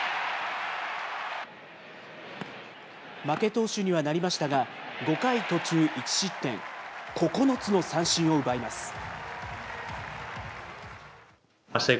負け投手にはなりましたが、５回途中１失点、９つの三振を奪います。